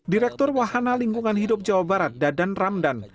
direktur wahana lingkungan hidup jawa barat dadan ramdan